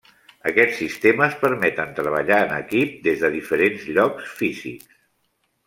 Aquests sistemes permeten treballar en equip des de diferents llocs físics.